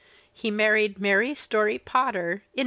He married Mary Story Potter in 1831.